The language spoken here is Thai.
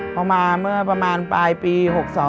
พอมาเมื่อปลายปี๑๙๖๒